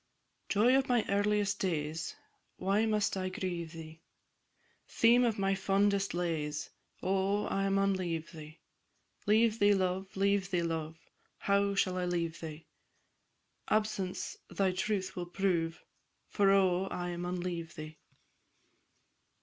"_ Joy of my earliest days, Why must I grieve thee? Theme of my fondest lays, Oh, I maun leave thee! Leave thee, love! leave thee, love! How shall I leave thee? Absence thy truth will prove, For, oh! I maun leave thee!